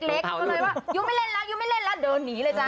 ก็เลยว่ายูไม่เล่นล่ะยูไม่เล่นล่ะเดินหนีเลยจ้ะ